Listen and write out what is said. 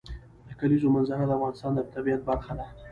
د کلیزو منظره د افغانستان د طبیعت برخه ده.